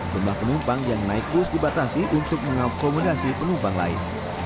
jumlah penumpang yang naik bus dibatasi untuk mengakomodasi penumpang lain